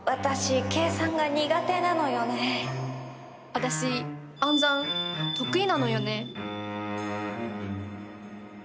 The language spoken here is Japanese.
私暗算得意なのよね。